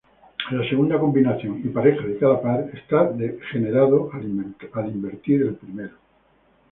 La segunda combinación y pareja de cada par está generado al invertir el primero.